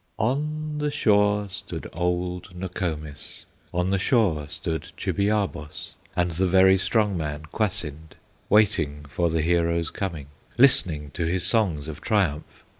On the shore stood old Nokomis, On the shore stood Chibiabos, And the very strong man, Kwasind, Waiting for the hero's coming, Listening to his songs of triumph.